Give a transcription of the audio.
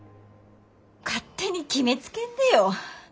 勝手に決めつけんでよ。